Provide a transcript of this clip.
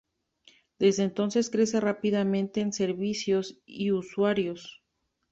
Desde entonces crece rápidamente en servicios y usuarios.